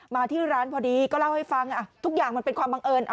มาที่ร้านพอดีก็เล่าให้ฟังทุกอย่างมันเป็นความบังเอิญ